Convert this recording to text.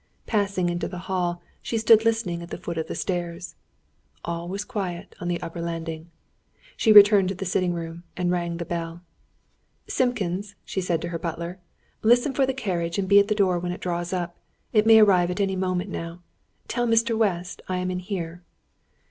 Passing into the hall, she stood listening at the foot of the stairs. All was quiet on the upper landing. She returned to the sitting room, and rang the bell. "Simpkins," she said to her butler, "listen for the carriage and be at the door when it draws up. It may arrive at any moment now. Tell Mr. West I am in here."